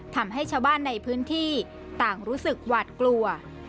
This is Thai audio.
ทำให้ชาวบ้านในพื้นที่ต่างรู้สึกหวาดกลัว